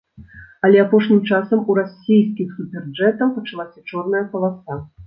Але апошнім часам у расійскіх суперджэтаў пачалася чорная паласа.